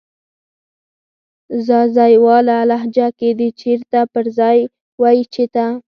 ځاځيواله لهجه کې د "چیرته" پر ځای وایې "چیته"